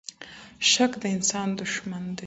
شک د انسان دښمن دی.